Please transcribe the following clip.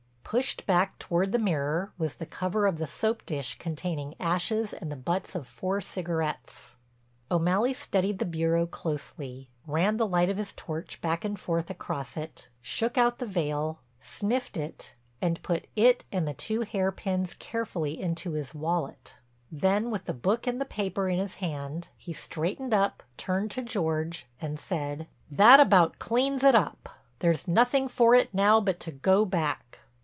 Pushed back toward the mirror was the cover of the soap dish containing ashes and the butts of four cigarettes. O'Malley studied the bureau closely, ran the light of his torch back and forth across it, shook out the veil, sniffed it, and put it and the two hairpins carefully into his wallet. Then with the book and the paper in his hand he straightened up, turned to George, and said: "That about cleans it up. There's nothing for it now but to go back."